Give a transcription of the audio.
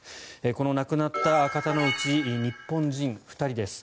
この亡くなった方のうち日本人２人です。